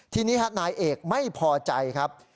ทีนี้นายเอกไม่พอใจครับ